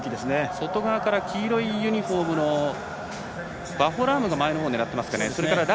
外側から黄色いユニフォームのワホラームが前を狙っています。